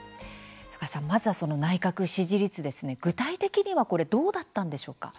曽我さん、まずは内閣支持率具体的にはどうだったのでしょうか。